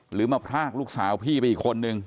หรือมาพรากลูกสาวพี่ไปอีกคนนึง